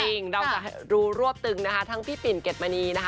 จริงเราจะรู้รวบตึงนะคะทั้งพี่ปิ่นเก็ดมณีนะคะ